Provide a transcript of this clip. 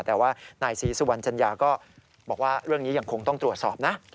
แต่ว่านายศรีสุวรรณจัญญาก็บอกว่าเรื่องนี้ยังคงต้องตรวจสอบนะ